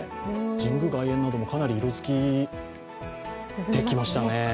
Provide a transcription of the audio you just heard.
神宮外苑などもかなり色づいてきましたね。